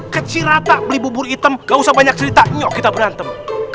kecil rata beli bubur hitam gak usah banyak cerita yuk kita berantem